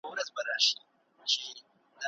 رحیم تر خپل پلار ډېر غوسه ناک ښکارېده.